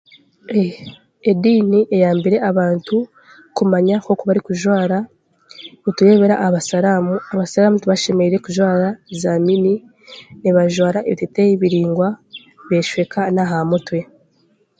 E Ediini eyambire abantu kumanya nk'oku barikujwara, nitureebera aha basiraamu abasiraamu tibashemereire kujwara zaamini nibajwara ebiteeteeyi biraingwa beeshweka n'aha mutwe